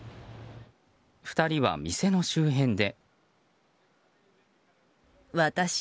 ２人は店の周辺で。